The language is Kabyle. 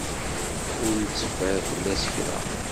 Ur iteffer fell-as kra.